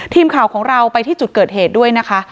ทีมข่าวของเราไปที่จุดเกิดเหตุด้วยนะคะ